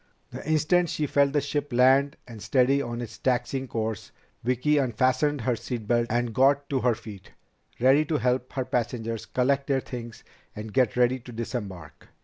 The instant she felt the ship land and steady on its taxiing course, Vicki unfastened her seat belt and got to her feet, ready to help her passengers collect their things and get ready to disembark.